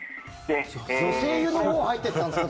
女性湯のほう入ってったんですか？